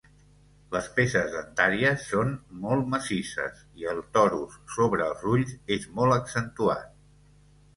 Les peces dentàries són molt massisses i el torus sobre els ulls és molt accentuat.